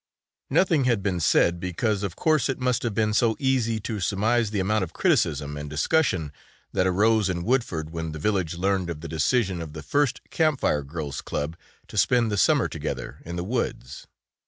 Nothing had been said, because of course it must have been so easy to surmise the amount of criticism and discussion that arose in Woodford when the village learned of the decision of the first Camp Fire girls' club to spend the summer together in the woods.